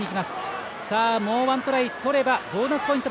もう１トライ取ればボーナスポイント